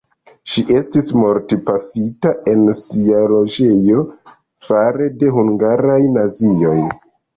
Ŝi estis mortpafita en sia loĝejo fare de hungaraj nazioj.